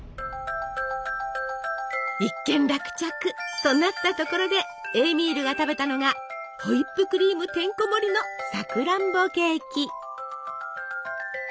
一件落着となったところでエーミールが食べたのがホイップクリームてんこもりのさくらんぼケーキ！